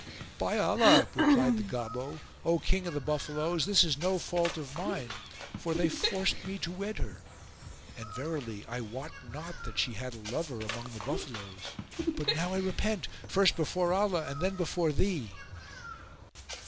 "By Allah," replied the Gobbo, "O King of the Buffaloes, this is no fault of mine, for they forced me to wed her; and verily I wot not that she had a lover amongst the buffaloes; but now I repent, first before Allah and then before thee."